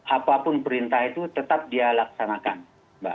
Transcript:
apapun perintah itu tetap dia laksanakan mbak